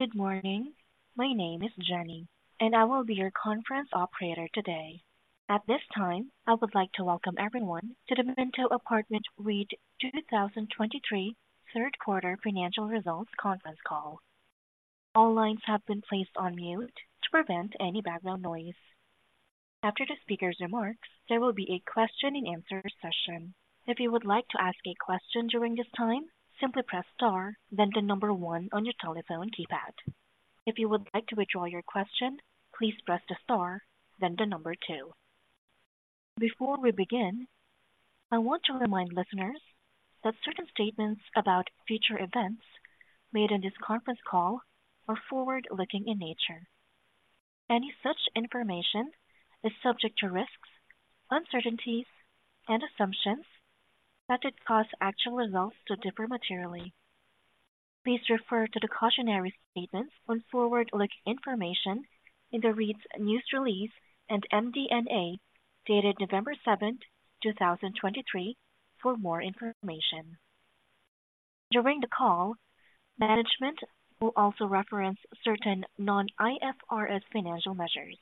Good morning. My name is Jenny, and I will be your conference operator today. At this time, I would like to welcome everyone to the Minto Apartment REIT 2023 Q3 Financial Results Conference Call. All lines have been placed on mute to prevent any background noise. After the speaker's remarks, there will be a question and answer session. If you would like to ask a question during this time, simply press star, then the number one on your telephone keypad. If you would like to withdraw your question, please press the star, then the number two. Before we begin, I want to remind listeners that certain statements about future events made in this conference call are forward-looking in nature. Any such information is subject to risks, uncertainties, and assumptions that could cause actual results to differ materially. Please refer to the cautionary statements on forward-looking information in the REIT's news release and MD&A, dated November 7th, 2023, for more information. During the call, management will also reference certain non-IFRS financial measures.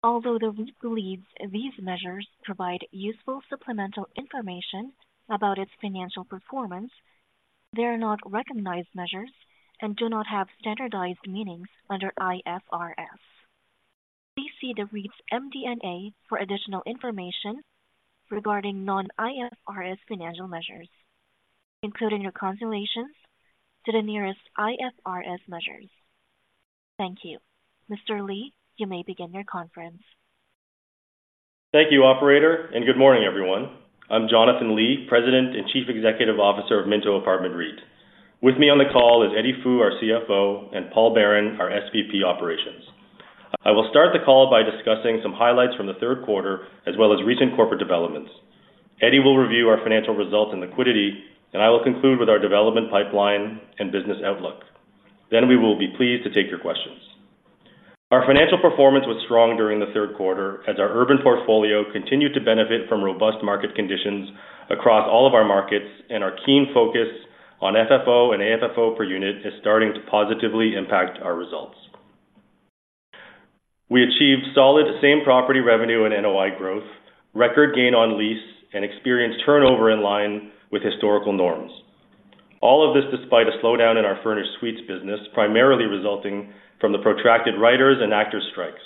Although the REIT believes these measures provide useful supplemental information about its financial performance, they are not recognized measures and do not have standardized meanings under IFRS. Please see the REIT's MD&A for additional information regarding non-IFRS financial measures, including reconciliations to the nearest IFRS measures. Thank you. Mr. Li, you may begin your conference. Thank you, operator, and good morning, everyone. I'm Jonathan Li, President and Chief Executive Officer of Minto Apartment REIT. With me on the call is Eddie Fu, our CFO, and Paul Baron, our SVP Operations. I will start the call by discussing some highlights from the Q3, as well as recent corporate developments. Eddie will review our financial results and liquidity, and I will conclude with our development, pipeline, and business outlook. Then we will be pleased to take your questions. Our financial performance was strong during the Q3, as our urban portfolio continued to benefit from robust market conditions across all of our markets, and our keen focus on FFO and AFFO per unit is starting to positively impact our results. We achieved solid same-property revenue and NOI growth, record gain on lease, and experienced turnover in line with historical norms. All of this despite a slowdown in our furnished suites business, primarily resulting from the protracted writers and actors' strikes.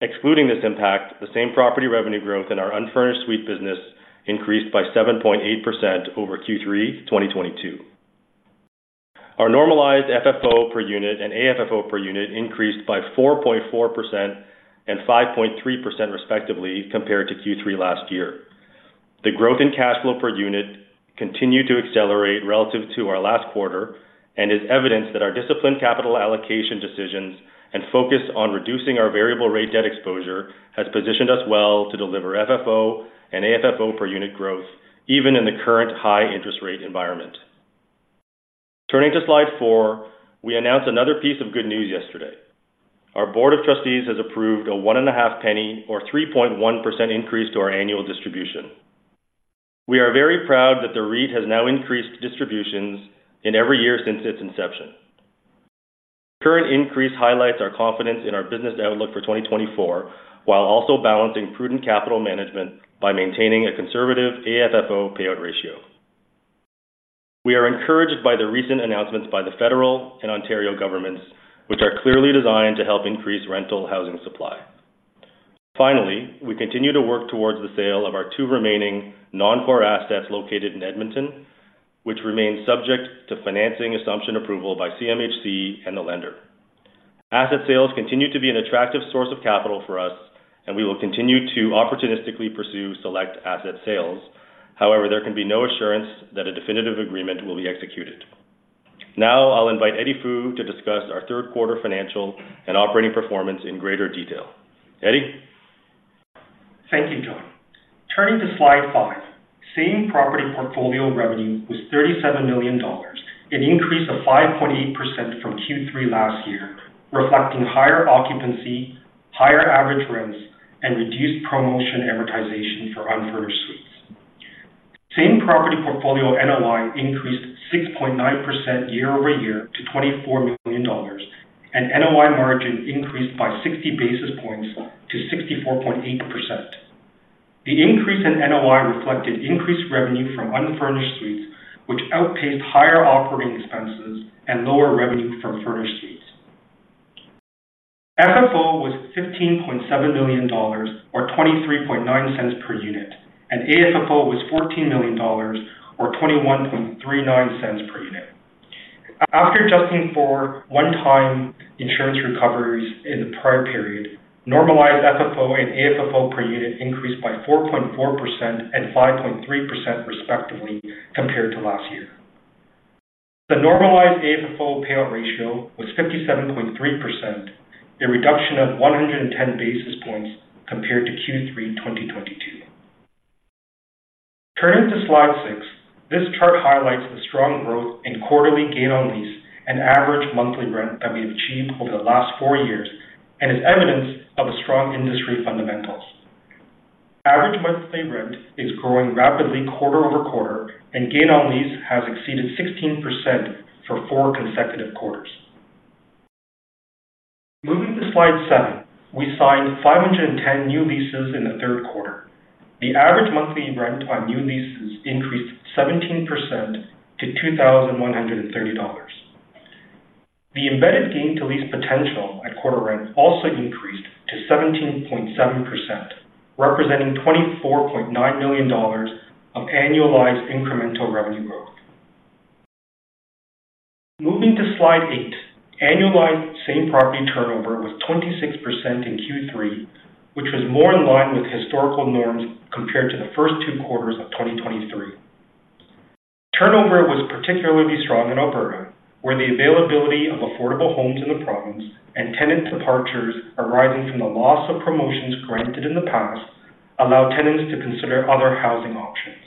Excluding this impact, the Same-Property revenue growth in our unfurnished suite business increased by 7.8% over Q3 2022. Our normalized FFO per unit and AFFO per unit increased by 4.4% and 5.3%, respectively, compared to Q3 last year. The growth in cash flow per unit continued to accelerate relative to our last quarter and is evidence that our disciplined capital allocation decisions and focus on reducing our variable rate debt exposure has positioned us well to deliver FFO and AFFO per unit growth even in the current high interest rate environment. Turning to slide four, we announced another piece of good news yesterday. Our Board of Trustees has approved a 0.015, or 3.1% increase to our annual distribution. We are very proud that the REIT has now increased distributions in every year since its inception. Current increase highlights our confidence in our business outlook for 2024, while also balancing prudent capital management by maintaining a conservative AFFO payout ratio. We are encouraged by the recent announcements by the federal and Ontario governments, which are clearly designed to help increase rental housing supply. Finally, we continue to work towards the sale of our two remaining non-core assets located in Edmonton, which remains subject to financing assumption approval by CMHC and the lender. Asset sales continue to be an attractive source of capital for us, and we will continue to opportunistically pursue select asset sales. However, there can be no assurance that a definitive agreement will be executed. Now, I'll invite Eddie Fu to discuss our Q3 financial and operating performance in greater detail. Eddie? Thank you, John. Turning to slide five. Same property portfolio revenue was 37 million dollars, an increase of 5.8% from Q3 last year, reflecting higher occupancy, higher average rents, and reduced promotion amortization for unfurnished suites. Same property portfolio NOI increased 6.9% year-over-year to 24 million dollars, and NOI margin increased by 60 basis points to 64.8%. The increase in NOI reflected increased revenue from unfurnished suites, which outpaced higher operating expenses and lower revenue from furnished suites. FFO was 15.7 million dollars, or 0.239 per unit, and AFFO was 14 million dollars, or 0.2139 per unit. After adjusting for one-time insurance recoveries in the prior period, normalized FFO and AFFO per unit increased by 4.4% and 5.3%, respectively, compared to last year. The normalized AFFO payout ratio was 57.3%, a reduction of 110 basis points compared to Q3 2022. Turning to slide six. This chart highlights the strong growth in quarterly gain on lease and average monthly rent that we have achieved over the last four years and is evidence of strong industry fundamentals. Average monthly rent is growing rapidly quarter-over-quarter, and gain on lease has exceeded 16% for four consecutive quarters. Moving to slide seven. We signed 510 new leases in the Q3. The average monthly rent on new leases increased 17% to 2,130 dollars. The embedded gain on lease potential at quarter-end also increased to 17.7%, representing 24.9 million dollars of annualized incremental revenue growth. Moving to slide eight. Annualized same property turnover was 26% in Q3, which was more in line with historical norms compared to the first two quarters of 2023. Turnover was particularly strong in Alberta, where the availability of affordable homes in the province and tenant departures arising from the loss of promotions granted in the past allowed tenants to consider other housing options.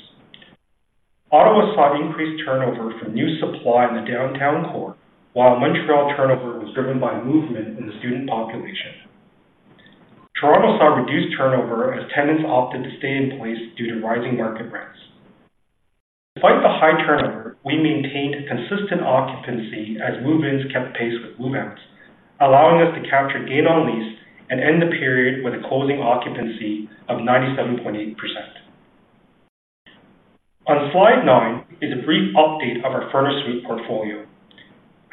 Ottawa saw increased turnover from new supply in the downtown core, while Montreal turnover was driven by movement in the student population. Toronto saw reduced turnover as tenants opted to stay in place due to rising market rents. Despite the high turnover, we maintained consistent occupancy as move-ins kept pace with move-outs, allowing us to capture Gain on Lease and end the period with a closing occupancy of 97.8%. On slide nine is a brief update of our furnished suite portfolio.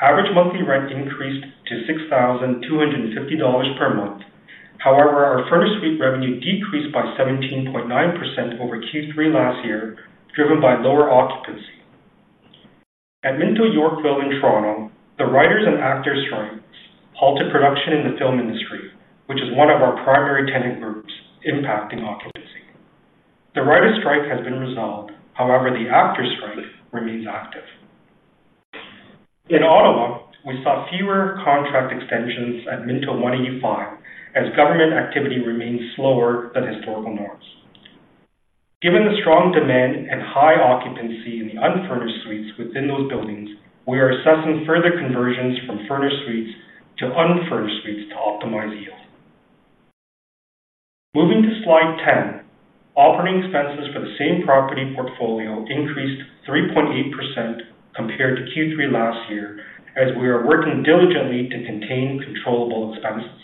Average monthly rent increased to 6,250 dollars per month. However, our furnished suite revenue decreased by 17.9% over Q3 last year, driven by lower occupancy. At Minto Yorkville in Toronto, the writers and actors strikes halted production in the film industry, which is one of our primary tenant groups impacting occupancy. The writers strike has been resolved. However, the actors strike remains active. In Ottawa, we saw fewer contract extensions at Minto One80five, as government activity remains slower than historical norms. Given the strong demand and high occupancy in the unfurnished suites within those buildings, we are assessing further conversions from furnished suites to unfurnished suites to optimize yield. Moving to slide 10. Operating expenses for the same property portfolio increased 3.8% compared to Q3 last year, as we are working diligently to contain controllable expenses.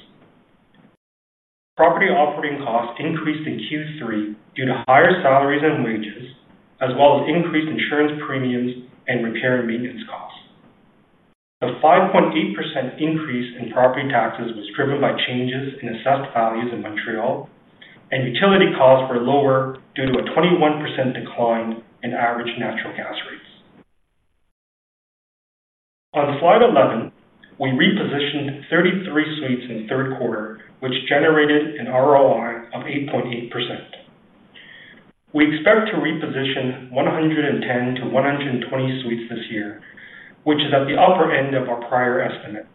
Property operating costs increased in Q3 due to higher salaries and wages, as well as increased insurance premiums and repair and maintenance costs. The 5.8% increase in property taxes was driven by changes in assessed values in Montreal, and utility costs were lower due to a 21% decline in average natural gas rates. On slide 11, we repositioned 33 suites in the Q3, which generated an ROI of 8.8%. We expect to reposition 110-120 suites this year, which is at the upper end of our prior estimate,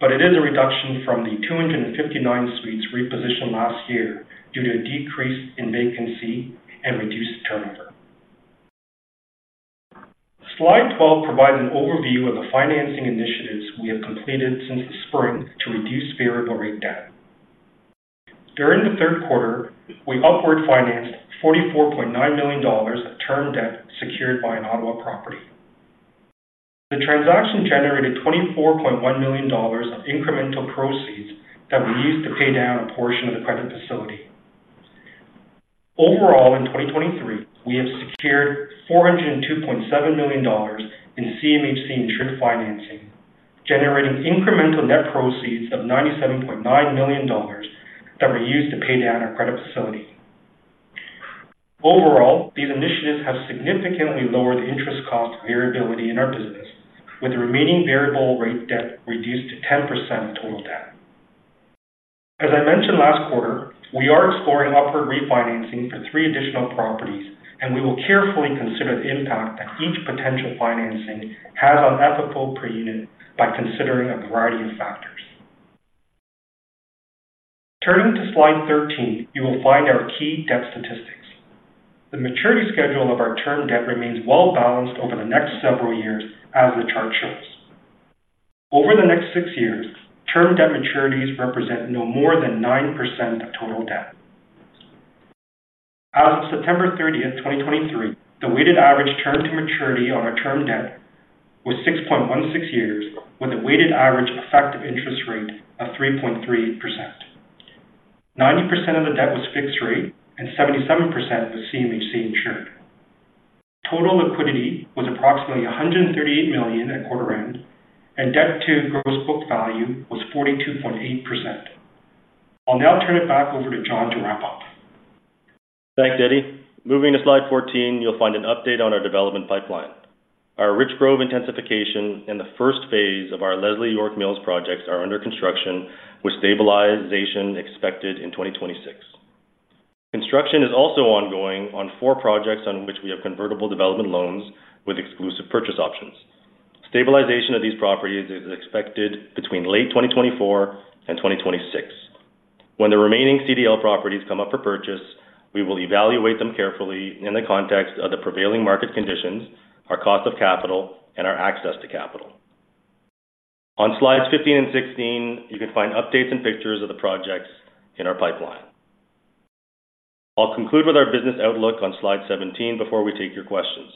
but it is a reduction from the 259 suites repositioned last year due to a decrease in vacancy and reduced turnover. Slide 12 provides an overview of the financing initiatives we have completed since the spring to reduce variable rate debt. During the Q3, we upward financed 44.9 million dollars of term debt secured by an Ottawa property. The transaction generated 24.1 million dollars of incremental proceeds that were used to pay down a portion of the credit facility. Overall, in 2023, we have secured 402.7 million dollars in CMHC insured financing, generating incremental net proceeds of 97.9 million dollars that were used to pay down our credit facility. Overall, these initiatives have significantly lowered the interest cost variability in our business, with the remaining variable rate debt reduced to 10% of total debt. As I mentioned last quarter, we are exploring upward refinancing for three additional properties, and we will carefully consider the impact that each potential financing has on FFO per unit by considering a variety of factors. Turning to slide 13, you will find our key debt statistics. The maturity schedule of our term debt remains well balanced over the next several years, as the chart shows. Over the next six years, term debt maturities represent no more than 9% of total debt. As of September 30th, 2023, the weighted average term to maturity on our term debt was 6.16 years, with a weighted average effective interest rate of 3.3%. 90% of the debt was fixed rate and 77% was CMHC insured. Total liquidity was approximately 138 million at quarter end, and debt to gross book value was 42.8%. I'll now turn it back over to John to wrap up. Thanks, Eddie. Moving to slide 14, you'll find an update on our development pipeline. Our Richgrove intensification and the first phase of our Leslie York Mills projects are under construction, with stabilization expected in 2026. Construction is also ongoing on four projects on which we have convertible development loans with exclusive purchase options. Stabilization of these properties is expected between late 2024 and 2026. When the remaining CDL properties come up for purchase, we will evaluate them carefully in the context of the prevailing market conditions, our cost of capital, and our access to capital. On slides 15 and 16, you can find updates and pictures of the projects in our pipeline. I'll conclude with our business outlook on slide 17 before we take your questions.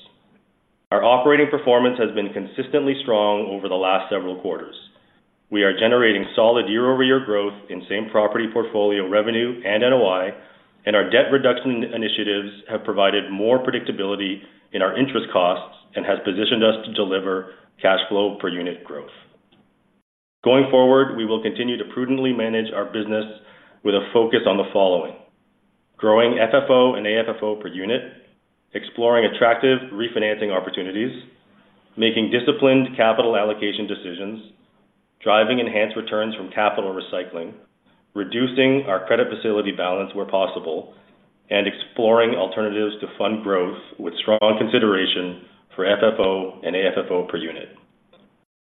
Our operating performance has been consistently strong over the last several quarters. We are generating solid year-over-year growth in Same-Property Portfolio revenue and NOI, and our debt reduction initiatives have provided more predictability in our interest costs and has positioned us to deliver cash flow per unit growth. Going forward, we will continue to prudently manage our business with a focus on the following: growing FFO and AFFO per unit, exploring attractive refinancing opportunities, making disciplined capital allocation decisions, driving enhanced returns from capital recycling, reducing our credit facility balance where possible, and exploring alternatives to fund growth with strong consideration for FFO and AFFO per unit.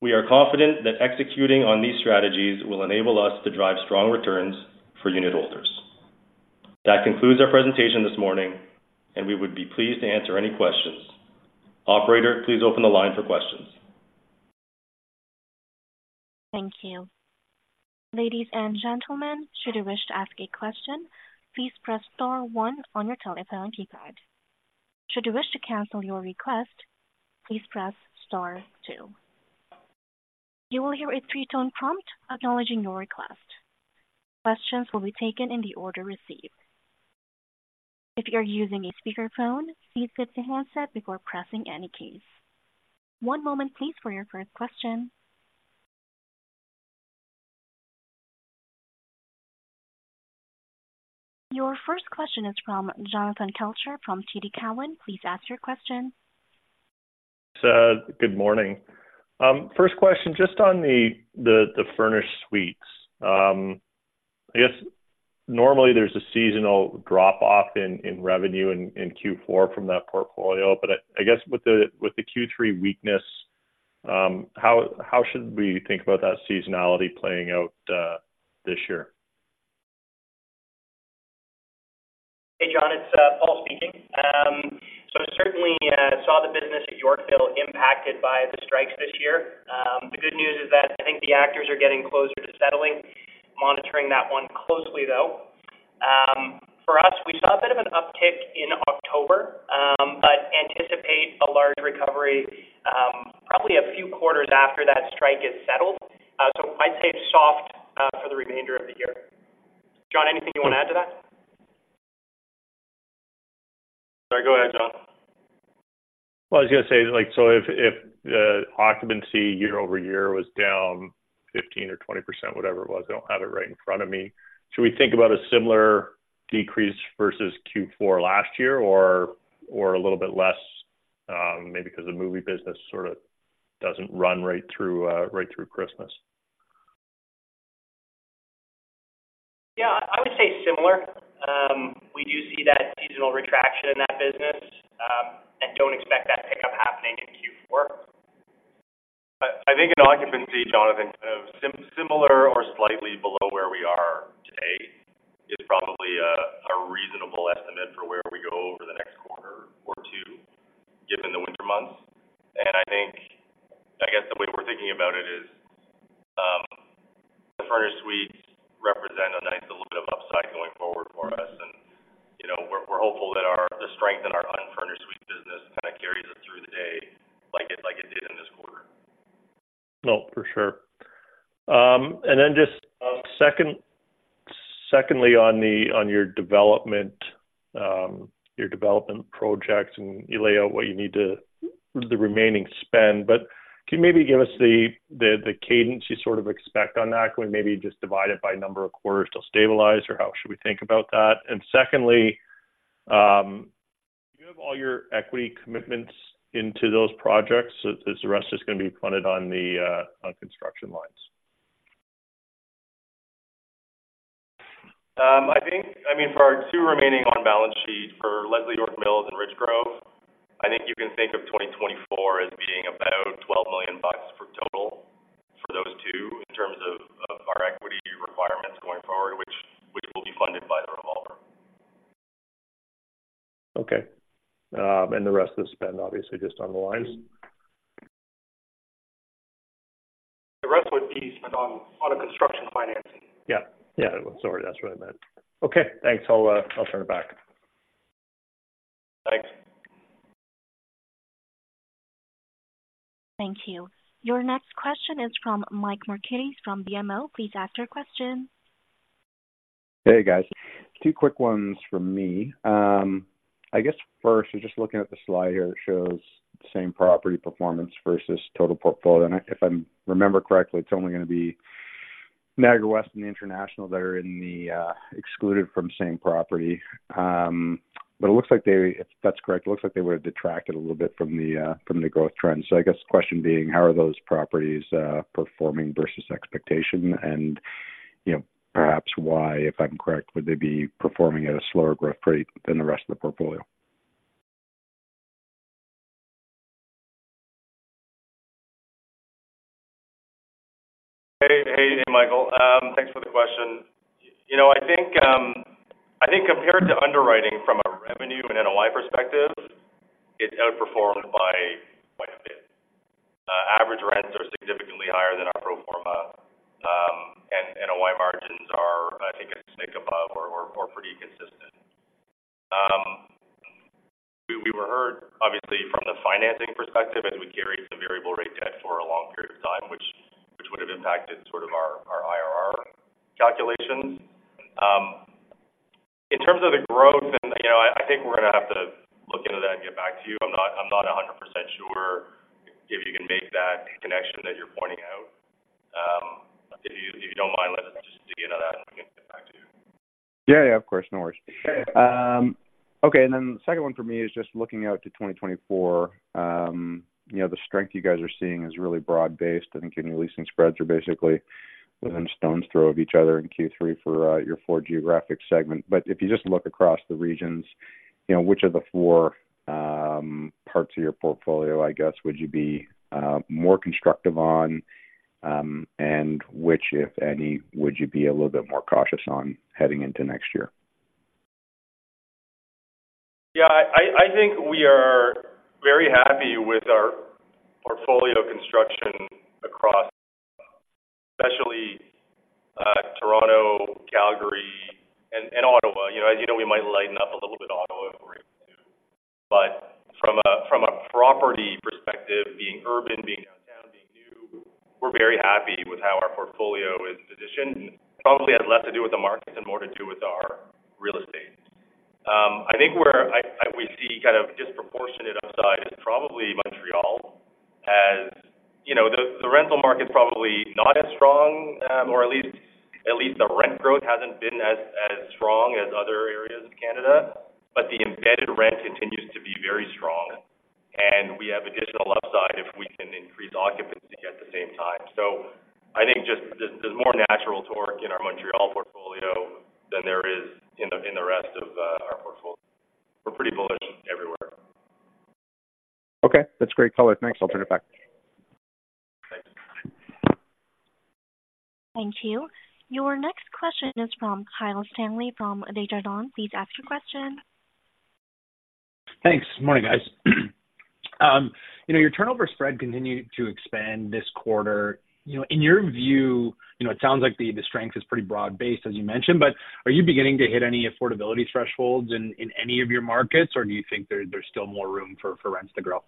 We are confident that executing on these strategies will enable us to drive strong returns for unitholders. That concludes our presentation this morning, and we would be pleased to answer any questions. Operator, please open the line for questions. Thank you. Ladies and gentlemen, should you wish to ask a question, please press star one on your telephone keypad. Should you wish to cancel your request, please press star two. You will hear a three-tone prompt acknowledging your request. Questions will be taken in the order received. If you are using a speakerphone, please get to handset before pressing any keys. One moment please, for your first question. Your first question is from Jonathan Kelcher from TD Cowen. Please ask your question. Good morning. First question, just on the furnished suites. I guess normally there's a seasonal drop-off in revenue in Q4 from that portfolio, but I guess with the Q3 weakness, how should we think about that seasonality playing out this year? Hey, John, it's Paul speaking. So certainly saw the business at Yorkville impacted by the strikes this year. The good news is that I think the actors are getting closer to settling, monitoring that one closely, though. For us, we saw a bit of an uptick in October, but anticipate a large recovery, probably a few quarters after that strike is settled. So I'd say soft for the remainder of the year. John, anything you want to add to that? Sorry, go ahead, John. Well, I was going to say, like, so if the occupancy year-over-year was down 15% or 20%, whatever it was, I don't have it right in front of me, should we think about a similar decrease versus Q4 last year or a little bit less, maybe because the movie business sort of doesn't run right through right through Christmas? Yeah, I would say similar. We do see that seasonal retraction in that business, and don't expect that pickup happening in Q4. I think in occupancy, Jonathan, similar or slightly below where we are today is probably a reasonable estimate for where we go over the next quarter or two, given the winter months. And I think, I guess the way we're thinking about it is, the furnished suites represent a nice little bit of upside going forward for us. And, you know, we're hopeful that the strength in our unfurnished suite business kind of carries us through the day like it did in this quarter. No, for sure. And then just, secondly, on your development projects, and you lay out what you need to, the remaining spend, but can you maybe give us the cadence you sort of expect on that? Can we maybe just divide it by number of quarters to stabilize, or how should we think about that? And secondly, do you have all your equity commitments into those projects, so is the rest just going to be funded on the construction lines? I think, I mean, for our two remaining on-balance sheet, for Leslie York Mills and Richgrove, I think you can think of 2024 as being about 12 million bucks total for those two in terms of our equity requirements going forward, which will be funded by the revolver. Okay. The rest of the spend, obviously, just on the lines? The rest would be spent on a construction financing. Yeah. Yeah, sorry, that's what I meant. Okay, thanks. I'll, I'll turn it back. Thanks. Thank you. Your next question is from Mike Markidis, from BMO. Please ask your question. Hey, guys. Two quick ones from me. I guess first, just looking at the slide here, it shows same-property performance versus total portfolio. And if I remember correctly, it's only going to be Niagara West and The International that are in the excluded from same-property. But it looks like they—if that's correct, it looks like they would have detracted a little bit from the growth trend. So I guess the question being, how are those properties performing versus expectation? And, you know, perhaps why, if I'm correct, would they be performing at a slower growth rate than the rest of the portfolio? Hey, hey, Michael, thanks for the question. You know, I think, I think compared to underwriting from a revenue and NOI perspective. It outperformed by quite a bit. Average rents are significantly higher than our pro forma. And ROI margins are, I think, a notch above or pretty consistent. We were hurt, obviously, from the financing perspective as we carried some variable rate debt for a long period of time, which would have impacted sort of our IRR calculations. In terms of the growth, then, you know, I think we're going to have to look into that and get back to you. I'm not a hundred percent sure if you can make that connection that you're pointing out. If you don't mind, let us just dig into that and we can get back to you. Yeah, yeah. Of course. No worries. Yeah. Okay, and then the second one for me is just looking out to 2024. You know, the strength you guys are seeing is really broad-based. I think your leasing spreads are basically within stone's throw of each other in Q3 for your four geographic segment. But if you just look across the regions, you know, which of the four parts of your portfolio, I guess, would you be more constructive on? And which, if any, would you be a little bit more cautious on heading into next year? Yeah, I think we are very happy with our portfolio construction across, especially, Toronto, Calgary, and Ottawa. You know, we might lighten up a little bit Ottawa, if we're able to, but from a property perspective, being urban, being downtown, being new, we're very happy with how our portfolio is positioned. Probably has less to do with the market and more to do with our real estate. I think we see kind of disproportionate upside is probably Montreal, as you know, the rental market is probably not as strong, or at least the rent growth hasn't been as strong as other areas of Canada, but the embedded rent continues to be very strong, and we have additional upside if we can increase occupancy at the same time. So I think just there's more natural torque in our Montreal portfolio than there is in the rest of our portfolio. We're pretty bullish everywhere. Okay, that's great, Colin. Thanks. I'll turn it back. Thank you. Your next question is from Kyle Stanley, from Desjardins. Please ask your question. Thanks. Good morning, guys. You know, your turnover spread continued to expand this quarter. You know, in your view, you know, it sounds like the strength is pretty broad-based, as you mentioned, but are you beginning to hit any affordability thresholds in any of your markets? Or do you think there's still more room for rents to grow?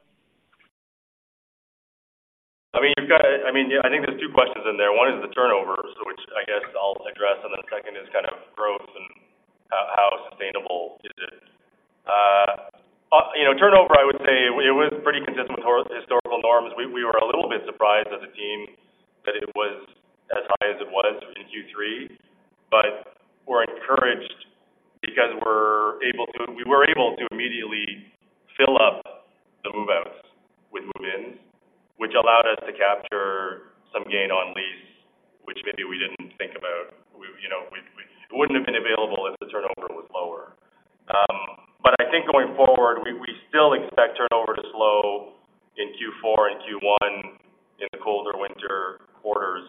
I mean, you've got, I mean, I think there's two questions in there. One is the turnover, so which I guess I'll address, and then the second is kind of growth and how, how sustainable is it? You know, turnover, I would say it was pretty consistent with historical norms. We, we were a little bit surprised as a team that it was as high as it was in Q3, but we're encouraged because we're able to, we were able to immediately fill up the move-outs with move-ins, which allowed us to capture some gain on lease, which maybe we didn't think about. We, you know, we, we, it wouldn't have been available if the turnover was lower. But I think going forward, we, we still expect turnover to slow in Q4 and Q1 in the colder winter quarters.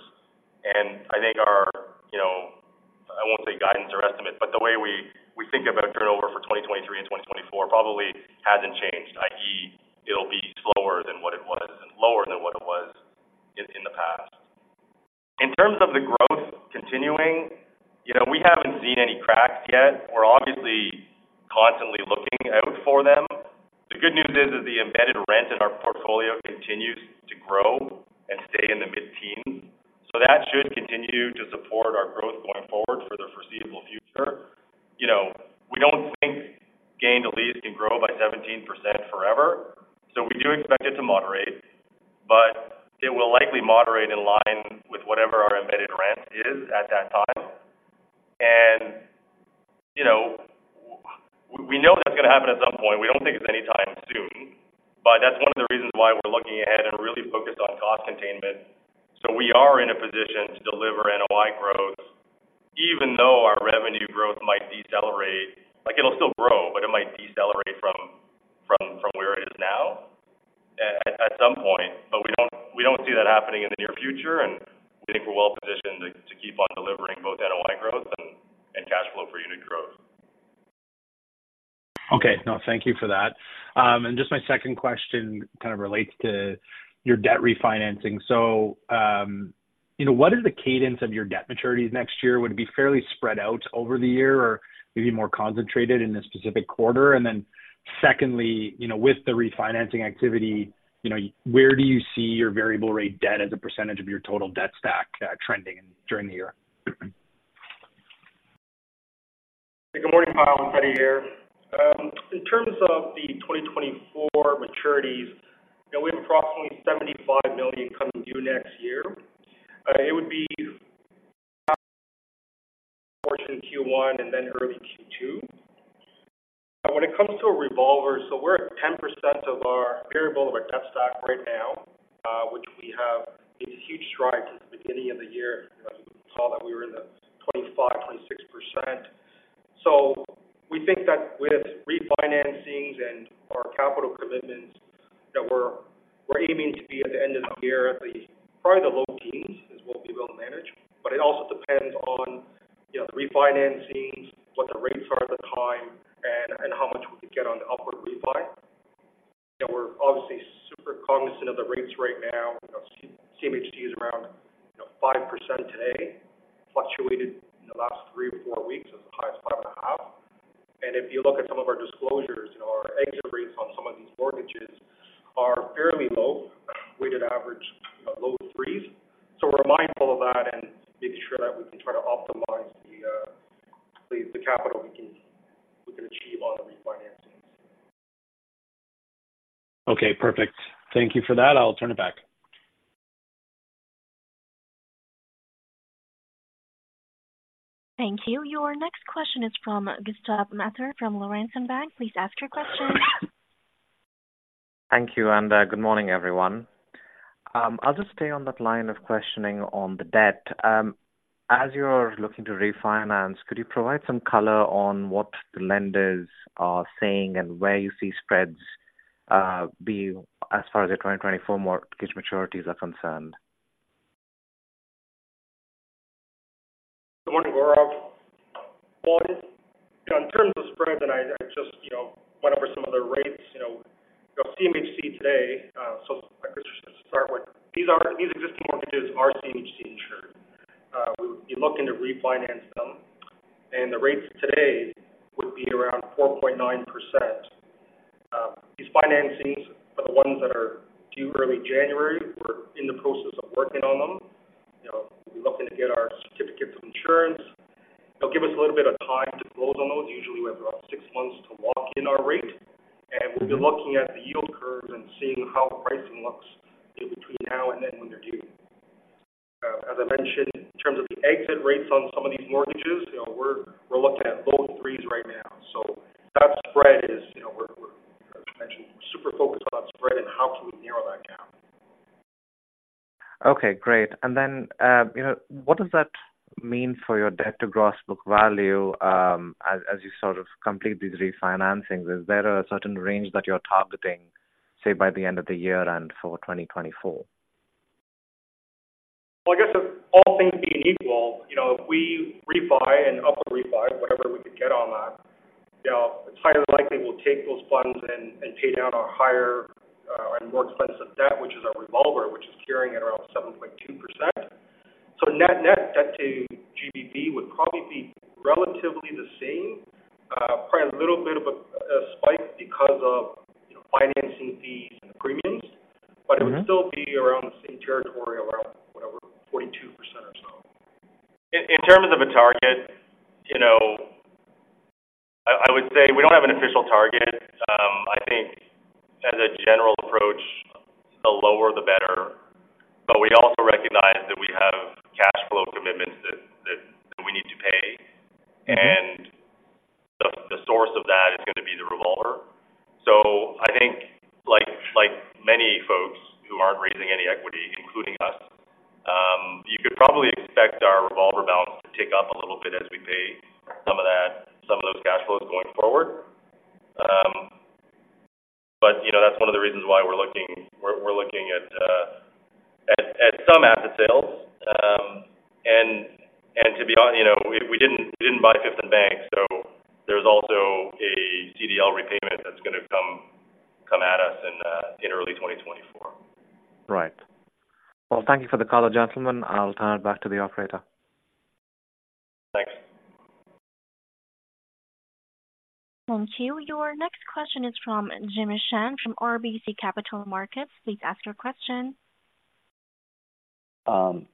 I think our, you know, I won't say guidance or estimate, but the way we think about turnover for 2023 and 2024 probably hasn't changed, i.e., it'll be slower than what it was and lower than what it was in the past. In terms of the growth continuing, you know, we haven't seen any cracks yet. We're obviously constantly looking out for them. The good news is that the embedded rent in our portfolio continues to grow and stay in the mid-teens, so that should continue to support our growth going forward for the foreseeable future. You know, we don't think gain on lease can grow by 17% forever, so we do expect it to moderate, but it will likely moderate in line with whatever our embedded rent is at that time. And, you know, we know that's going to happen at some point. We don't think it's anytime soon, but that's one of the reasons why we're looking ahead and really focused on cost containment. So we are in a position to deliver NOI growth, even though our revenue growth might decelerate. Like it'll still grow, but it might decelerate from where it is now at some point. But we don't see that happening in the near future, and I think we're well-positioned to keep on delivering both NOI growth and cash flow per unit growth. Okay. No, thank you for that. And just my second question kind of relates to your debt refinancing. So, you know, what is the cadence of your debt maturities next year? Would it be fairly spread out over the year or maybe more concentrated in a specific quarter? And then secondly, you know, with the refinancing activity, you know, where do you see your variable rate debt as a percentage of your total debt stack, trending during the year? Good morning, Mike. Eddie here. In terms of the 2024 maturities, you know, we have approximately 75 million coming due next year. It would be portion Q1 and then early Q2. When it comes to a revolver, so we're at 10% of our variable of our debt stock right now, which we have made huge strides since the beginning of the year. As you can call that, we were in the 25%, 26%. So we think that with refinancings and our capital commitments- ...We're aiming to be at the end of the year, at least, probably the low teens, is what we will manage. But it also depends on, you know, the refinancings, what the rates are at the time, and how much we could get on the upward refi. You know, we're obviously super cognizant of the rates right now. You know, CMHC is around, you know, 5% today, fluctuated in the last three or four weeks as high as five and a half. And if you look at some of our disclosures, you know, our exit rates on some of these mortgages are fairly low, weighted average, low threes. So we're mindful of that and making sure that we can try to optimize the capital we can achieve on the refinancings. Okay, perfect. Thank you for that. I'll turn it back. Thank you. Your next question is from Gaurav Mathur from Laurentian Bank. Please ask your question. Thank you, and good morning, everyone. I'll just stay on that line of questioning on the debt. As you're looking to refinance, could you provide some color on what the lenders are saying and where you see spreads be as far as the 2024 mortgage maturities are concerned? Good morning, Gaurav. Well, in terms of spreads, and I, I just, you know, went over some of the rates, you know, CMHC today, so I just start with these are—these existing mortgages are CMHC insured. We'll be looking to refinance them, and the rates today would be around 4.9%. These financings are the ones that are due early January. We're in the process of working on them. You know, we're looking to get our certificate of insurance. It'll give us a little bit of time to close on those. Usually, we have about six months to lock in our rate, and we'll be looking at the yield curve and seeing how pricing looks between now and then when they're due. As I mentioned, in terms of the exit rates on some of these mortgages, you know, we're looking at low threes right now. So that spread is, you know, as mentioned, super focused on that spread and how to narrow that gap. Okay, great. And then, you know, what does that mean for your debt to gross book value, as you sort of complete these refinancings? Is there a certain range that you're targeting, say, by the end of the year and for 2024? Well, I guess if all things being equal, you know, if we refi and upper refi, whatever we could get on that, you know, it's highly likely we'll take those funds and, and pay down our higher and more expensive debt, which is our revolver, which is carrying at around 7.2%. So net debt to GBV would probably be relatively the same, probably a little bit of a spike because of, you know, financing fees and the premiums- Mm-hmm. It would still be around the same territory, around whatever, 42% or so. In terms of a target, you know, I would say we don't have an official target. I think as a general approach, the lower the better, but we also recognize that we have cash flow commitments that we need to pay. Mm-hmm. The source of that is going to be the revolver. So I think, like many folks who aren't raising any equity, including us, you could probably expect our revolver balance to tick up a little bit as we pay some of that, some of those cash flows going forward. But you know, that's one of the reasons why we're looking at some asset sales. And to be honest, you know, we didn't buy Fifth + Bank, so there's also a CDL repayment that's going to come at us in early 2024. Right. Well, thank you for the call, gentlemen. I'll turn it back to the operator. Thanks. Thank you. Your next question is from Jimmy Shan, from RBC Capital Markets. Please ask your question.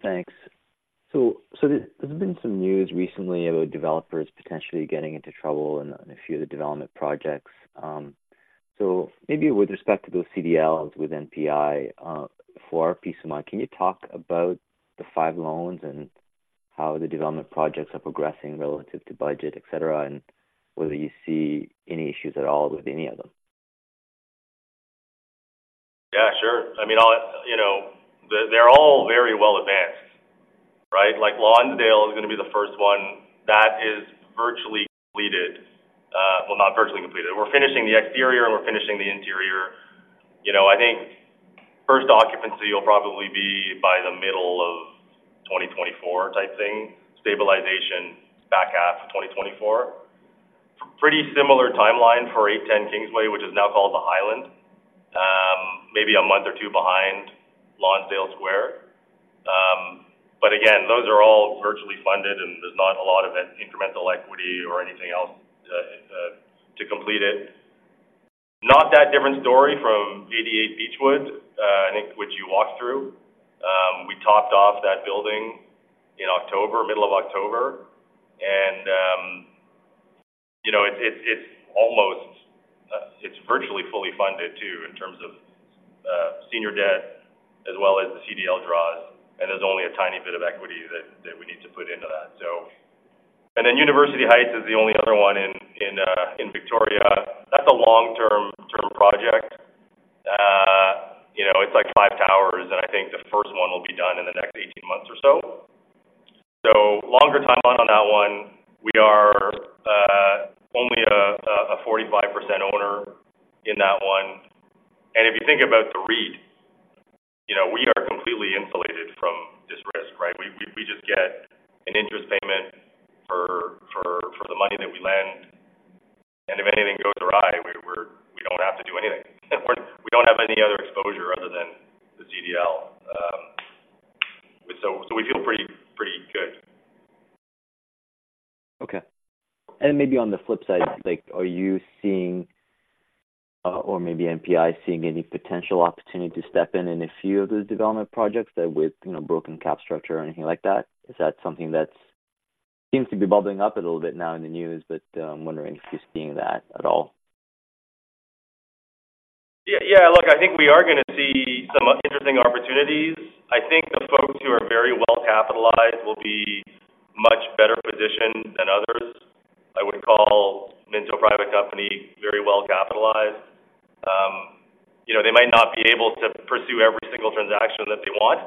Thanks. So, there, there's been some news recently about developers potentially getting into trouble in a few of the development projects. So maybe with respect to those CDLs with NPI, for our peace of mind, can you talk about the five loans and how the development projects are progressing relative to budget, et cetera, and whether you see any issues at all with any of them? Yeah, sure. I mean, I'll, you know, they're all very well advanced, right? Like, Lonsdale Square is going to be the first one that is virtually completed. Well, not virtually completed. We're finishing the exterior, and we're finishing the interior. You know, I think first occupancy will probably be by the middle of 2024 type thing, stabilization back half of 2024. Pretty similar timeline for 810 Kingsway, which is now called The Highland. Maybe a month or two behind Lonsdale Square. But again, those are all virtually funded, and there's not a lot of incremental equity or anything else to complete it. Not that different story from 88 Beechwood, I think, which you walked through. We topped off that building in October, middle of October, and, you know, it's almost—it's virtually fully funded too, in terms of, senior debt as well as the CDL draws, and there's only a tiny bit of equity that we need to put into that. So... And then University Heights is the only other one in Victoria. That's a long-term sort of project. You know, it's like five towers, and I think the first one will be done in the next 18 months or so. So longer timeline on that one, we are a 45% owner in that one. And if you think about the read, you know, we are completely insulated from this risk, right? We just get an interest payment for the money that we lend, and if anything goes awry, we don't have to do anything. We don't have any other exposure other than the CDL. So we feel pretty good. Okay. And maybe on the flip side, like, are you seeing, or maybe NPI seeing any potential opportunity to step in in a few of those development projects that with, you know, broken cap structure or anything like that? Is that something that's seems to be bubbling up a little bit now in the news? But, I'm wondering if you're seeing that at all. Yeah, yeah. Look, I think we are going to see some interesting opportunities. I think the folks who are very well capitalized will be much better positioned than others. I would call Minto a private company, very well capitalized. You know, they might not be able to pursue every single transaction that they want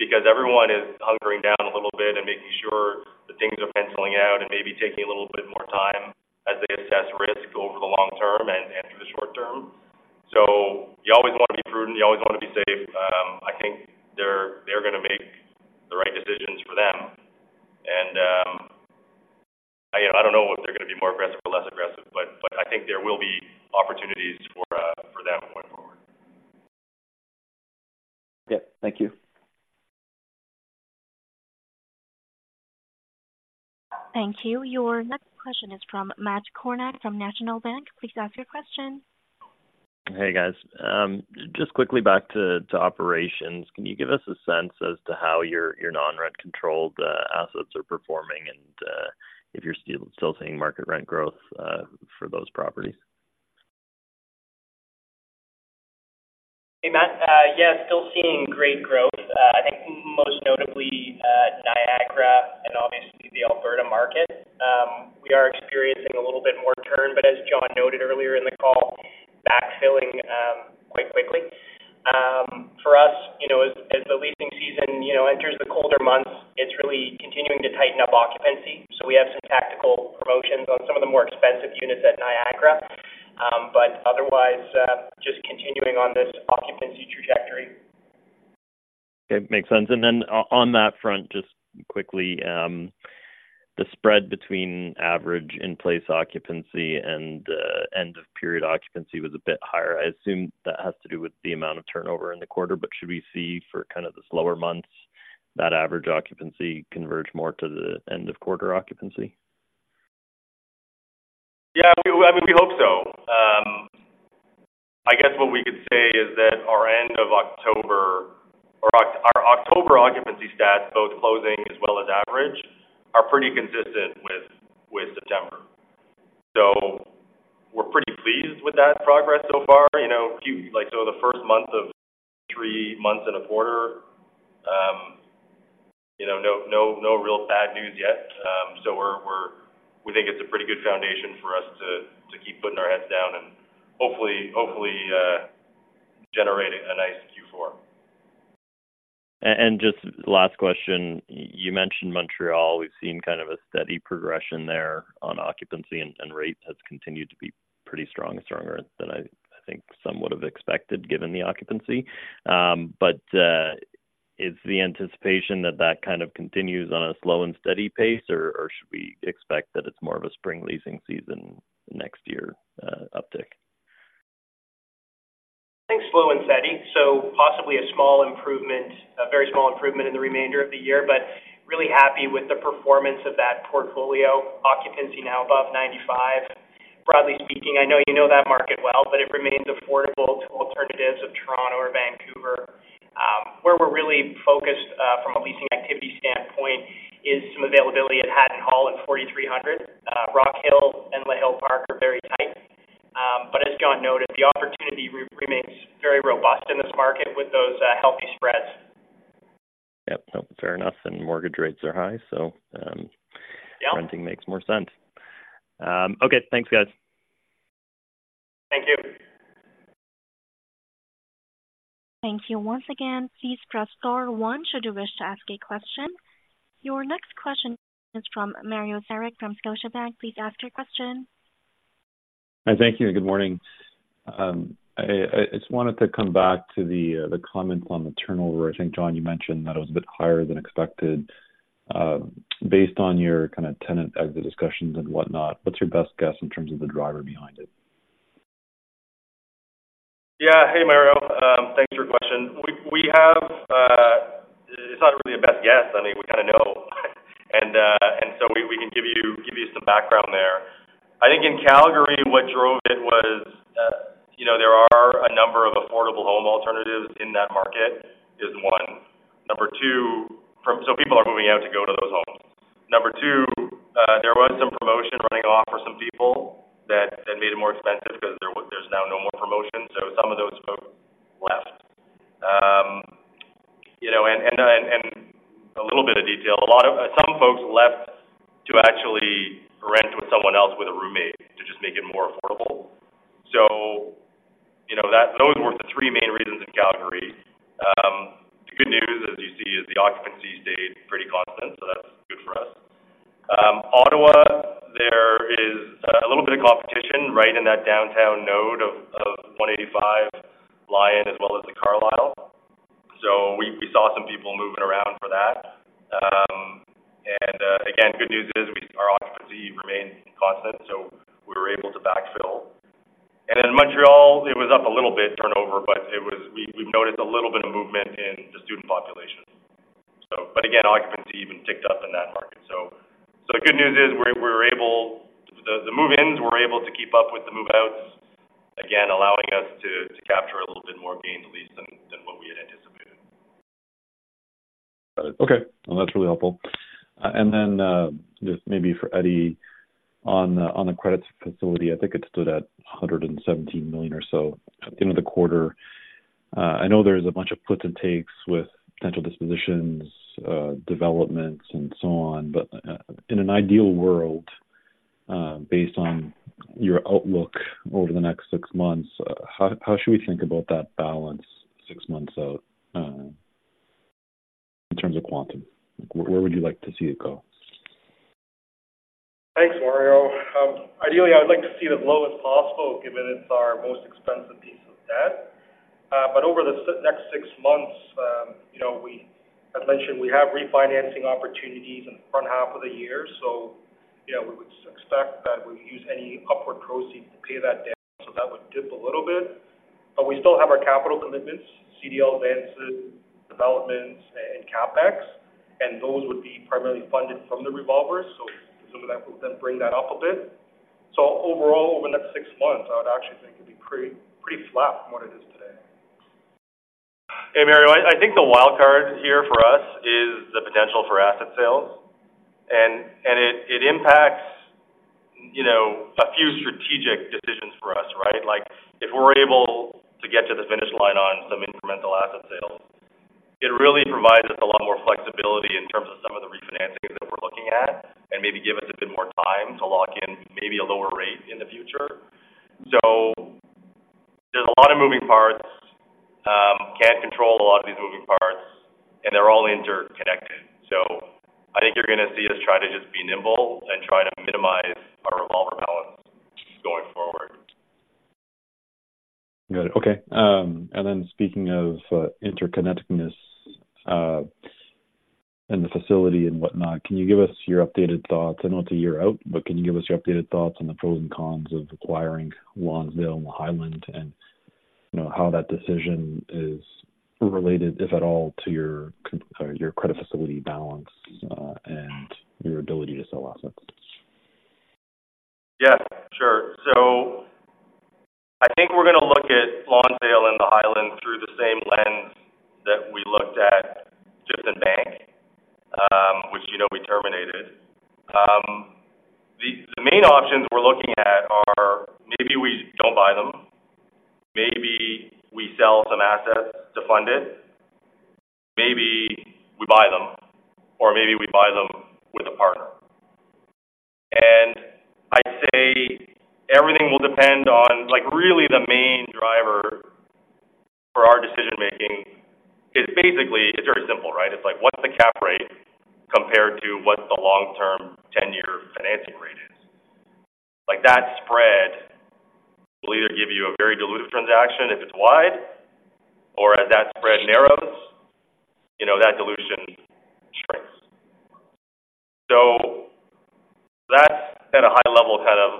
because everyone is hunkering down a little bit and making sure that things are penciling out and maybe taking a little bit more time as they assess risk over the long term and through the short term. So you always want to be prudent, you always want to be safe. I think they're going to make the right decisions for them. And, you know, I don't know if they're going to be more aggressive or less aggressive, but I think there will be opportunities for them going forward. Yep. Thank you. Thank you. Your next question is from Matt Kornack, from National Bank. Please ask your question. Hey, guys. Just quickly back to operations. Can you give us a sense as to how your non-rent-controlled assets are performing and if you're still seeing market rent growth for those properties? Hey, Matt. Yeah, still seeing great growth. I think most notably, Niagara and obviously the Alberta market. We are experiencing a little bit more turn, but as John noted earlier in the call, backfilling quite quickly. For us, you know, as the leasing season, you know, enters the colder months, it's really continuing to tighten up occupancy. So we have some tactical promotions on some of the more expensive units at Niagara. But otherwise, just continuing on this occupancy trajectory. It makes sense. And then on that front, just quickly, the spread between average in-place occupancy and end-of-period occupancy was a bit higher. I assume that has to do with the amount of turnover in the quarter, but should we see for kind of the slower months, that average occupancy converge more to the end-of-quarter occupancy? Yeah, we, I mean, we hope so. I guess what we could say is that our end of October or our October occupancy stats, both closing as well as average, are pretty consistent with September. So we're pretty pleased with that progress so far. You know, like, so the first month of three months in a quarter, you know, no, no, no real bad news yet. So we're, we think it's a pretty good foundation for us to keep putting our heads down and hopefully, hopefully, generating a nice Q4. And just last question. You mentioned Montreal. We've seen kind of a steady progression there on occupancy, and rate has continued to be pretty strong, stronger than I think, some would have expected, given the occupancy. But, is the anticipation that that kind of continues on a slow and steady pace, or should we expect that it's more of a spring leasing season next year, uptick? I think slow and steady, so possibly a small improvement, a very small improvement in the remainder of the year, but really happy with the performance of that portfolio. Occupancy now above 95%. Broadly speaking, I know you know that market well, but it remains affordable to alternatives of Toronto or Vancouver. Where we're really focused from a leasing activity standpoint is some availability at Haddon Hall in Le 4300. Rockhill and Le Hill-Park are very tight. But as John noted, the opportunity remains very robust in this market with those healthy spreads. Yep. No, fair enough, and mortgage rates are high, so, Yeah. Renting makes more sense. Okay. Thanks, guys. Thank you. Thank you. Once again, please press star one should you wish to ask a question. Your next question is from Mario Saric, from Scotiabank. Please ask your question. Hi, thank you, and good morning. I just wanted to come back to the comments on the turnover. I think, John, you mentioned that it was a bit higher than expected. Based on your kind of tenant exit discussions and whatnot, what's your best guess in terms of the driver behind it? Yeah. Hey, Mario. Thanks for your question. We have... It's not really a best guess. I think we kind of know, and so we can give you some background there. I think in Calgary, what drove it was, you know, there are a number of affordable home alternatives in that market, is one. Number two, so people are moving out to go to those homes. Number two, there was some promotion running off for some people that made it more expensive because there's now no more promotion, so some of those folks left. You know, and a little bit of detail, a lot of some folks left to actually rent with someone else with a roommate to just make it more affordable. So, you know, those were the three main reasons. The occupancy stayed pretty constant, so that's good for us. Ottawa, there is a little bit of competition right in that downtown node of 185 Lyon as well as The Carlisle. So we saw some people moving around for that. Again, good news is our occupancy remains constant, so we were able to backfill. And in Montréal, it was up a little bit turnover, but it was we have noticed a little bit of movement in the student population. But again, occupancy even ticked up in that market. So the good news is we are able the move-ins were able to keep up with the move-outs, again, allowing us to capture a little bit more gain on lease than what we had anticipated. Okay, well, that's really helpful. And then, just maybe for Eddie, on the credit facility, I think it stood at 117 million or so at the end of the quarter. I know there's a bunch of puts and takes with potential dispositions, developments and so on, but, in an ideal world, based on your outlook over the next six months, how should we think about that balance six months out, in terms of quantum? Where would you like to see it go? Thanks, Mario. Ideally, I would like to see it as low as possible, given it's our most expensive piece of debt. But over the next six months, you know, we, as mentioned, we have refinancing opportunities in the front half of the year. So, you know, we would expect that we use any upward proceeds to pay that down, so that would dip a little bit. But we still have our capital commitments, CDL advances, developments, and CapEx, and those would be primarily funded from the revolver, so some of that will then bring that up a bit. So overall, over the next six months, I would actually think it'd be pretty, pretty flat from what it is today. Hey, Mario, I think the wild card here for us is the potential for asset sales. And it impacts, you know, a few strategic decisions for us, right? Like, if we're able to get to the finish line on some incremental asset sales, it really provides us a lot more flexibility in terms of some of the refinancings that we're looking at, and maybe give us a bit more time to lock in maybe a lower rate in the future. So there's a lot of moving parts, can't control a lot of these moving parts, and they're all interconnected. So I think you're going to see us try to just be nimble and try to minimize our revolver balance going forward. Got it. Okay. And then speaking of interconnectedness, and the facility and whatnot, can you give us your updated thoughts? I know it's a year out, but can you give us your updated thoughts on the pros and cons of acquiring Lonsdale and Highland, and, you know, how that decision is related, if at all, to your credit facility balance, and your ability to sell assets? Yeah, sure. So I think we're going to look at Lonsdale and the Highland through the same lens that we looked at Fifth + Bank, which, you know, we terminated. The main options we're looking at are maybe we don't buy them, maybe we sell some assets to fund it, maybe we buy them, or maybe we buy them with a partner. And I'd say everything will depend on—like, really, the main driver for our decision-making is basically, it's very simple, right? It's like, what's the cap rate compared to what the long-term 10-year financing rate is? Like, that spread will either give you a very diluted transaction if it's wide, or as that spread narrows, you know, that dilution shrinks. So that's at a high level, kind of,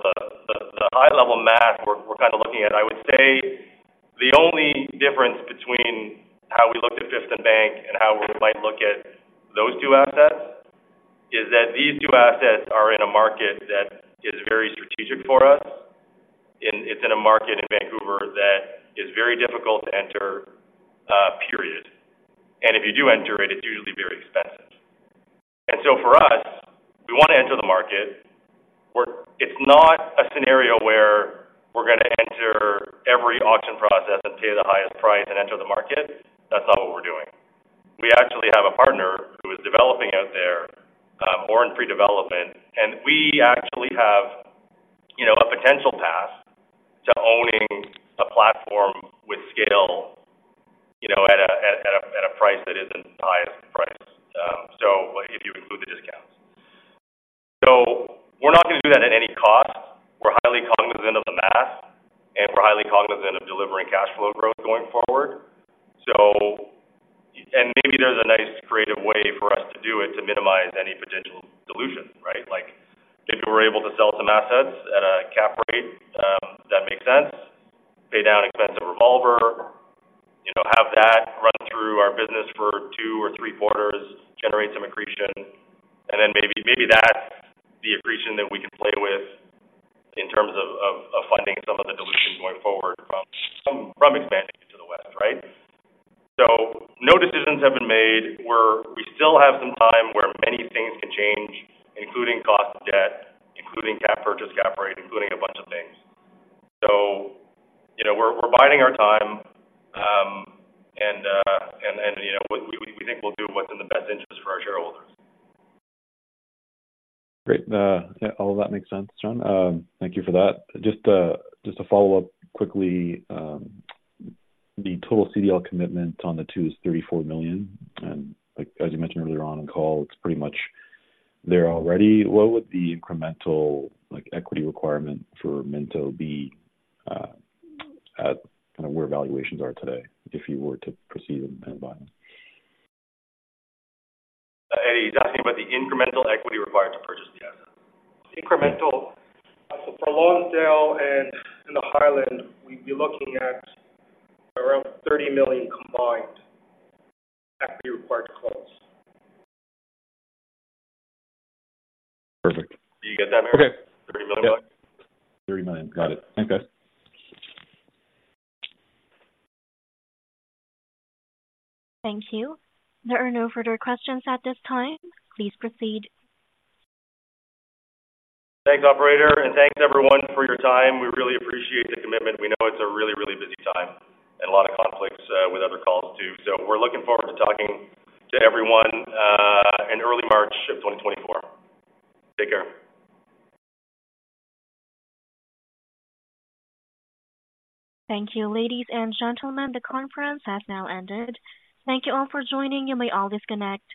the high level math we're kind of looking at. I would say the only difference between how we looked at Fifth + Bank and how we might look at those two assets is that these two assets are in a market that is very strategic for us. It's in a market in Vancouver that is very difficult to enter, period. And if you do enter it, it's usually very expensive. And so for us, we want to enter the market where it's not a scenario where we're going to enter every auction process and pay the highest price and enter the market. That's not what we're doing. We actually have a partner who is developing out there or in pre-development, and we actually have, you know, a potential path to owning a platform with scale, you know, at a price that isn't the highest price, so if you include the discounts. So we're not going to do that at any cost. We're highly cognizant of the math, and we're highly cognizant of delivering cash flow growth going forward. So, and maybe there's a nice, creative way for us to do it, to minimize any potential dilution, right? Like, if we're able to sell some assets at a cap rate that makes sense, pay down expensive revolver, you know, have that run through our business for two or three quarters, generate some accretion, and then maybe, maybe that's the accretion that we can play with in terms of, of, of funding some of the dilution going forward from, from, from expanding into the West, right? So no decisions have been made. We're. We still have some time where many things can change, including cost of debt, including cap rates, cap rate, including a bunch of things. So, you know, we're biding our time, and you know, we think we'll do what's in the best interest for our shareholders. Great. Yeah, all of that makes sense, John. Thank you for that. Just, just to follow up quickly, the total CDL commitment on the two is 34 million, and like as you mentioned earlier on in the call, it's pretty much there already. What would the incremental, like, equity requirement for Minto be, at kind of where valuations are today, if you were to proceed and, and buy them? Eddie, he's asking about the incremental equity required to purchase the asset. Incremental. So for Lonsdale and the Highland, we'd be looking at around 30 million combined equity required to close. Perfect. Did you get that, Mario? Okay. 30 million. Yeah. 30 million, got it. Thank you. Thank you. There are no further questions at this time. Please proceed. Thanks, operator, and thanks everyone for your time. We really appreciate the commitment. We know it's a really, really busy time and a lot of conflicts with other calls, too. So we're looking forward to talking to everyone in early March of 2024. Take care. Thank you. Ladies and gentlemen, the conference has now ended. Thank you all for joining. You may all disconnect.